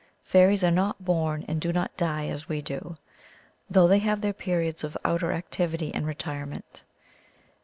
*' Fairies are not born and do not die as we do, though they have their periods of outer activity and retirement.